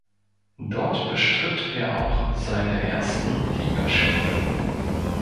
Dort bestritt er auch seine ersten Ligaspiele.